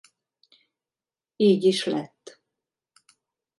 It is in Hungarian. Így is lett.